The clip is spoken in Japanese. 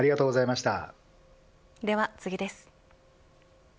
では次です。